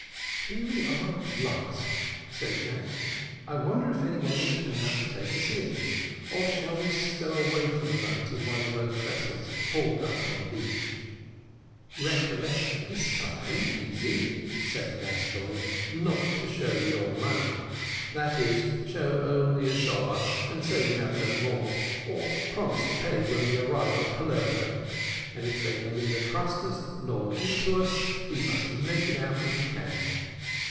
"Here we are at last," said Jack. "I wonder if any one will turn out to take us in, or shall we stow away for the night in one of those vessels hauled up on the beach?" "Recollect this time, Easy," said Gascoigne, "not to show your money; that is, show only a dollar, and say you have no more, or promise to pay when we arrive at Palermo; and if they will neither trust us, nor give to us, we must make it out as we can."